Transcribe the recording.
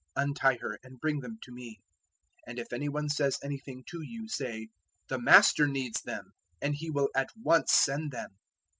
Untie her and bring them to me. 021:003 And if any one says anything to you, say, `The Master needs them,' and he will at once send them."